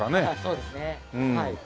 そうですねはい。